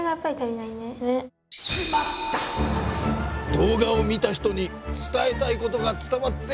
動画を見た人に伝えたいことが伝わっていない。